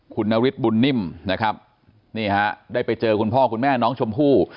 คุณนฤทธิบุญนิ่มนะครับนี่ฮะได้ไปเจอคุณพ่อคุณแม่น้องชมพู่